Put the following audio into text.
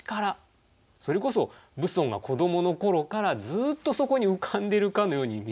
それこそ蕪村が子どもの頃からずっとそこに浮かんでるかのように見える。